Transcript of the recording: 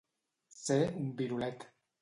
Ser un virolet.